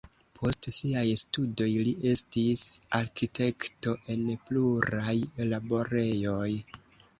Post siaj studoj li estis arkitekto en pluraj laborejoj.